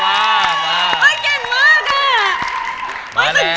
เก่งมากอ่ะสุดยอด